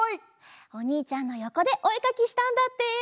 おにいちゃんのよこでおえかきしたんだって。